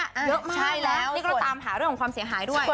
เยอะมากใช่แล้วนี่ก็ตามหาเรื่องของความเสียหายด้วย